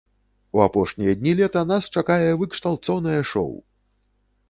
У апошнія дні лета нас чакае выкшталцонае шоў!